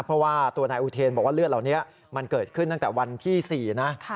เพราะว่าตัวนายอุเทนบอกว่าเลือดเหล่านี้มันเกิดขึ้นตั้งแต่วันที่๔นะ